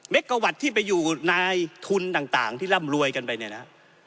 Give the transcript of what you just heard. กะวัตต์ที่ไปอยู่นายทุนต่างที่ร่ำรวยกันไปเนี่ยนะ